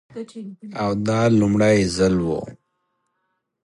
او دا لومړی ځل و.